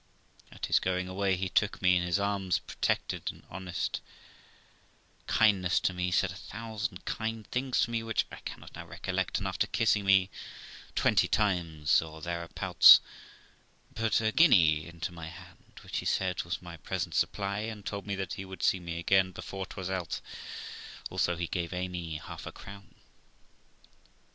At his going away he took me in his arms, protested an honest kindness to me; said a thousand kind things to me, which I cannot now recollect; and, after kissing me twenty times or thereabouts, put a guinea into my THE LIFE OF ROXANA 211 hand, which, he said, was for my present supply, and told me that he would see me again before it was out; also he gave Amy half a crown.